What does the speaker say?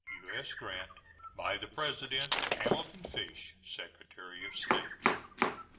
U.S. GRANT. By the President: HAMILTON FISH, Secretary of State.